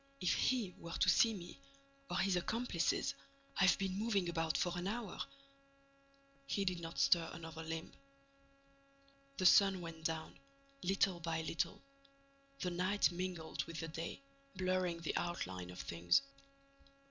If 'he' were to see me! Or his accomplices! I've been moving about for an hour—!" He did not stir another limb. The sun went down. Little by little, the night mingled with the day, blurring the outline of things.